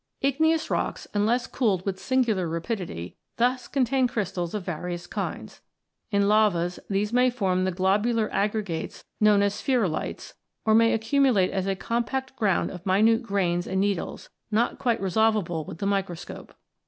Igneous rocks, unless cooled with singular rapidity, thus contain crystals of various kinds. In lavas, these may form the globular aggregates known as spheru lites(w\ or may accumulate as a compact ground of minute grains and needles, not quite resolvable with the microscope.